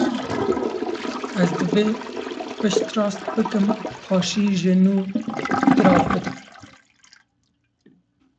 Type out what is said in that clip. Ez divê pişt rast bikim û paşî ji nû dirav bidim.